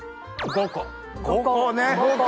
５個ね！